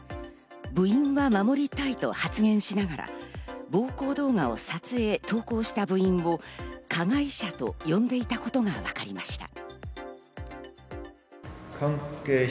部員は守りたいと発言しながら暴行動画を撮影・投稿した部員を加害者と呼んでいたことがわかりました。